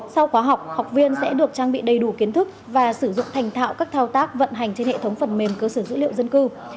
sau khóa học học viên sẽ được trang bị đầy đủ kiến thức và sử dụng thành thạo các thao tác vận hành trên hệ thống phần mềm cơ sở dữ liệu dân cư